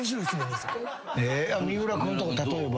三浦君とか例えば。